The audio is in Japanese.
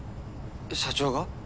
社長が？